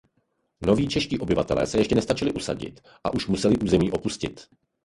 Noví čeští obyvatelé se ještě nestačili usadit a už museli území opustit.